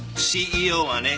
ＣＥＯはね